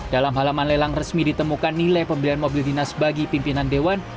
dalam halaman lelang resmi ditemukan nilai pembelian mobil dinas bagi pimpinan dewan